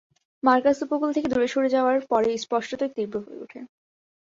Marcus উপকূল থেকে দূরে সরে যাওয়ার পরে স্পষ্টতই তীব্র হয়ে ওঠে।